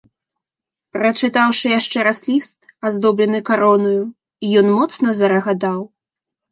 Прачытаўшы яшчэ раз ліст, аздоблены каронаю, ён моцна зарагатаў.